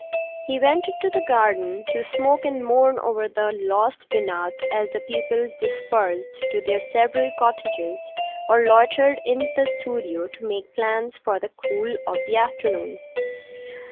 He went into the garden to smoke and mourn over the lost Binat as the pupils dispersed to their several cottages or loitered in the studio to make plans for the cool of the afternoon.